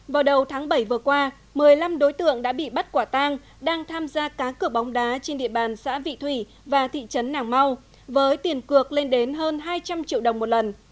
vào đầu tháng bảy vừa qua một mươi năm đối tượng đã bị bắt quả tang đang tham gia cá cược bóng đá trên địa bàn xã vị thủy và thị trấn nàng mau với tiền cược lên đến hơn hai trăm linh triệu đồng một lần